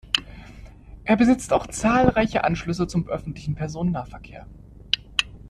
Er besitzt auch zahlreiche Anschlüsse zum öffentlichen Personennahverkehr.